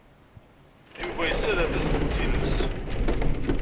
Yuba yessader tazewwut-nnes.